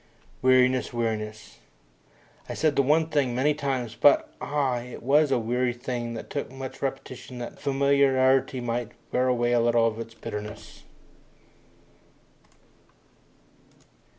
Weariness! Weariness! I said the one thing many times but, ah, it was a weary thing which took much repetition that familiarity might wear away a little of its bitterness!